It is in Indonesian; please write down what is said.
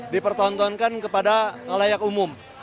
dipertontonkan kepada layak umum